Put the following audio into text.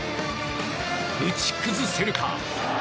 打ち崩せるか？